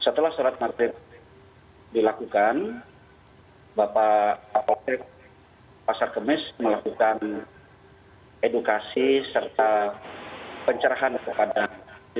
setelah sholat matri dilakukan bapak kapolsek pasar kemis melakukan edukasi serta pencerahan kepada lima ahli jid